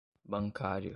bancário